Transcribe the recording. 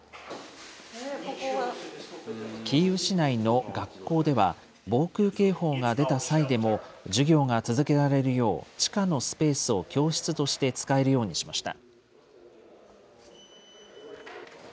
キーウ市内の学校では、防空警報が出た際でも授業が続けられるよう、地下のスペースを教室として使えるようにしました。